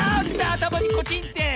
あたまにコチンって。